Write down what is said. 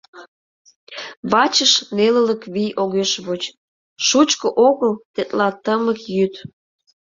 Вачыш нелылык вий огеш воч, шучко огыл тетла тымык йӱд.